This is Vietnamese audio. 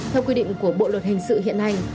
theo quy định của bộ luật hình sự hiện nay